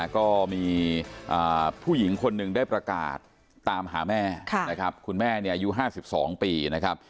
ก็มีผู้หญิงคนหนึ่งได้ประกาศตามหาแม่นะครับคุณแม่อายุ๕๒ปีนะครับ